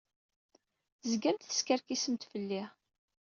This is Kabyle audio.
Tezgamt teskerkisemt fell-i.